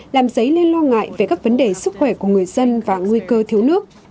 làm dấy lên lo ngại về các vấn đề sức khỏe của người dân và nguy cơ thiếu nước